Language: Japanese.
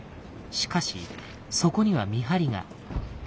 しかしそこには見張りが。